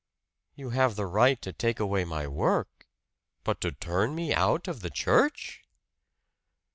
"You have the right to take away my work. But to turn me out of the church?"